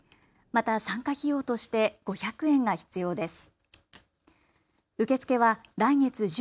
また参加費用として５００円が必要です。